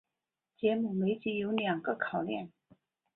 节目每集有两个考验。